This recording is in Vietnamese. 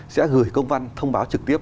sẽ gửi công văn thông báo trực tiếp